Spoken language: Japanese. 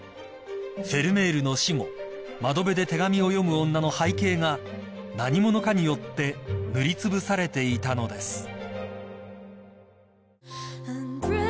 ［フェルメールの死後『窓辺で手紙を読む女』の背景が何者かによって塗りつぶされていたのです］